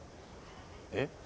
えっ？